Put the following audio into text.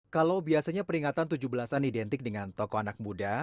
kalau biasanya peringatan tujuh belas an identik dengan tokoh anak muda